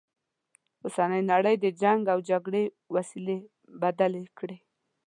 اوسنۍ نړی د جنګ و جګړې وسیلې بدل کړي.